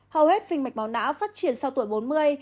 hầu hết sinh mạch máu não phát triển sau tuổi bốn mươi